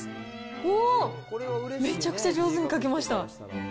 おー、めちゃくちゃ上手に書けました。